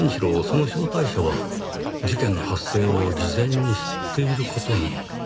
その招待者は事件の発生を事前に知っている事に。